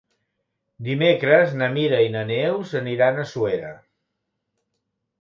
Dimecres na Mira i na Neus aniran a Suera.